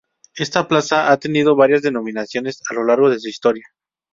Esta plaza ha tenido varias denominaciones a lo largo de su historia.